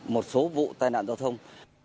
một số vụ tai nạn giao thông